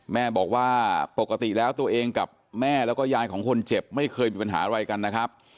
แม่บอกว่าปกติแล้วตัวเองกับแม่แล้วก็ยายของคนเจ็บไม่เคยมีปัญหาอะไรกันนะครับ